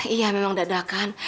iya memang dadakan